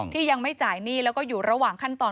ที่ยังไม่จ่ายหนี้แล้วก็อยู่ระหว่างขั้นตอน